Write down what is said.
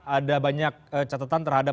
ada banyak catatan terhadap